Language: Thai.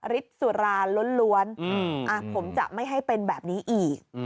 ฤทธิ์สุราล้วนผมจะไม่ให้เป็นแบบนี้อีก